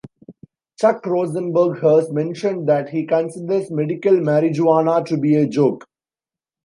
Chuck Rosenberg has mentioned that he considers medical marijuana to be a joke.